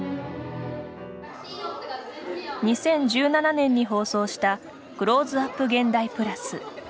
２０１７年に放送した「クローズアップ現代プラス」。